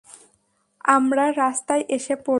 আমরা রাস্তায় এসে পড়ব!